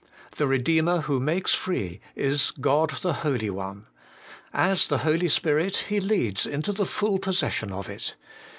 The Redeemer who makes free is God the Holy One. As the Holy Spirit He leads into the full possession of it.